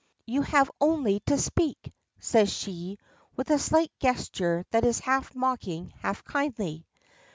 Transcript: "You have only to speak," says she, with a slight gesture that is half mocking, half kindly.